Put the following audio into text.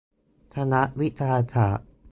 คณะวิทยาศาสตร์